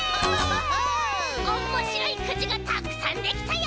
おもしろいくじがたくさんできたよ！